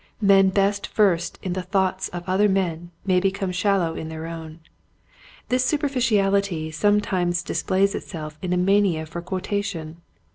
Men best versed in the thoughts of other men may become shallow in their own. This superficiality sometimes displays itself in a mania for quotation.